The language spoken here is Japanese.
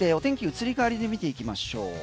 移り変わりで見ていきましょう。